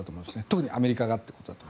特にアメリカが。